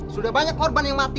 sudah banyak korban yang mati